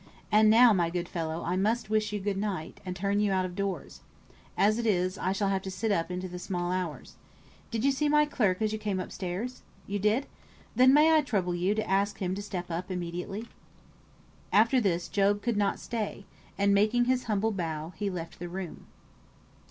And now, my good fellow, I must wish you good night, and turn you out of doors. As it is, I shall have to sit up into the small hours. Did you see my clerk as you came up stairs? You did! Then may I trouble you to ask him to step up immediately?" After this Job could not stay, and, making his humble bow, he left the room.